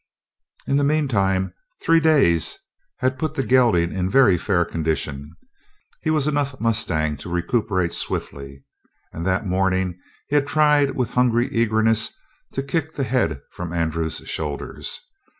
In the meantime, three days had put the gelding in very fair condition. He was enough mustang to recuperate swiftly, and that morning he had tried with hungry eagerness to kick the head from Andrew's shoulders.